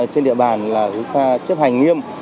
trên địa bàn là chúng ta chấp hành nghiêm